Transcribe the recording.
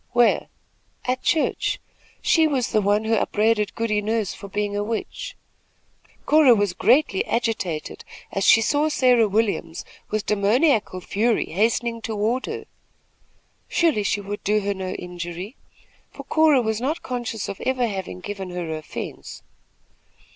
"Where?" "At church. She was the one who upbraided Goody Nurse for being a witch." Cora was greatly agitated, as she saw Sarah Williams, with demoniacal fury, hastening toward her. Surely she would do her no injury, for Cora was not conscious of ever having given her offence.